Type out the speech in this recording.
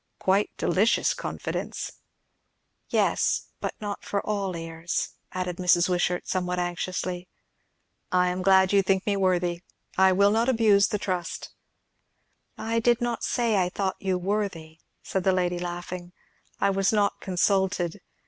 "Quite delicious confidence!" "Yes, but not for all ears," added Mrs. Wishart somewhat anxiously. "I am glad you think me worthy. I will not abuse the trust." "I did not say I thought you worthy," said the lady, laughing; "I was not consulted.